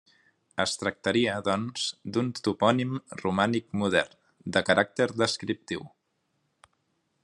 Es tractaria, doncs, d'un topònim romànic modern, de caràcter descriptiu.